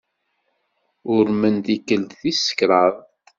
Urmen tikkelt tis kraḍt.